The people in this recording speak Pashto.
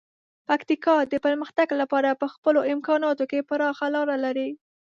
پکتیکا د پرمختګ لپاره په خپلو امکاناتو کې پراخه لاره لري.